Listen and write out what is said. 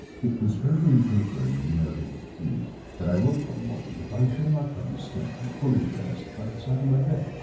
It was early in April in the year '83 that I woke one morning to find Sherlock Holmes standing, fully dressed, by the side of my bed.